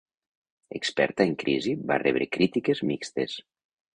Experta en Crisi va rebre crítiques mixtes.